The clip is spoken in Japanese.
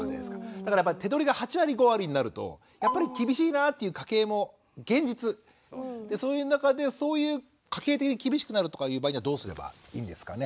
だから手取りが８割５割になるとやっぱり厳しいなという家計も現実そういう中でそういう家計的に厳しくなるとかいう場合にはどうすればいいんですかね？